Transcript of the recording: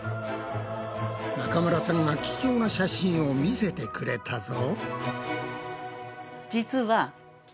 中村さんが貴重な写真を見せてくれたぞ！